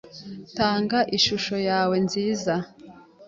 Tanga ishusho yawe nziza.